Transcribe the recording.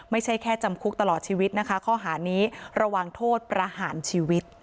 ไม่ใช่แค่จำคุกตลอดชีวิตนะคะข้อหานี้ระวังโทษประหารชีวิต